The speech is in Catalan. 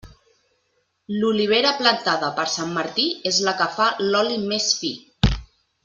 L'olivera plantada per Sant Martí és la que fa l'oli més fi.